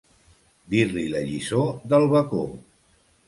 Dir-li la lliçó del bacó.